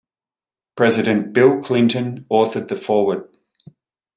President Bill Clinton authored the foreword.